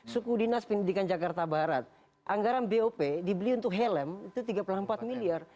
suku dinas pendidikan jakarta barat anggaran bop dibeli untuk helm itu tiga puluh empat miliar